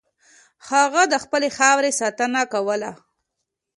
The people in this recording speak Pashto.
هغه د خپلې خاورې ساتنه کوله.